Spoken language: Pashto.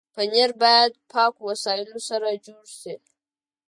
پنېر باید پاکو وسایلو سره جوړ شي.